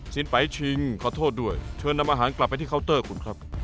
ไปชิงขอโทษด้วยเชิญนำอาหารกลับไปที่เคาน์เตอร์คุณครับ